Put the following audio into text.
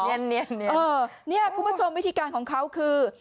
เนียนเนียนเนียนเออเนี่ยคุณผู้ชมวิธีการของเขาคือ